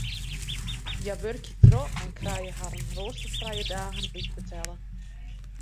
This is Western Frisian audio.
Hja wurkje troch en krije harren roasterfrije dagen útbetelle.